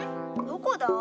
どこだ？